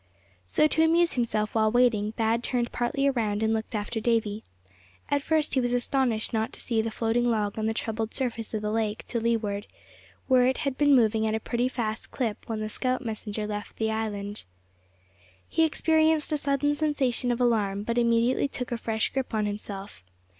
So, to amuse himself while waiting Thad turned partly around, and looked after Davy. At first he was astonished not to see the floating log on the troubled surface of the lake to leeward, where it had been moving at a pretty fast clip when the scout messenger left the island. He experienced a sudden sensation of alarm, but immediately took a fresh grip on himself.